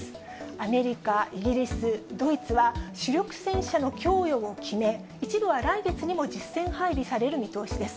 アメリカ、イギリス、ドイツは、主力戦車の供与を決め、一部は来月にも実戦配備される見通しです。